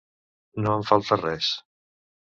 No em falta res.